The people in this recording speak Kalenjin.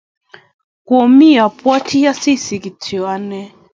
Komi abwati Asisi kityo ane